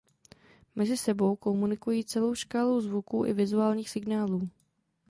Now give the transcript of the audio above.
Mezi sebou komunikují celou škálou zvuků i vizuálních signálů.